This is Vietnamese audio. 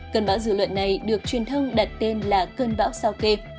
cơn bão dự luận này được truyền thông đặt tên là cơn bão sao kê